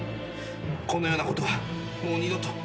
このようなことはもう二度と。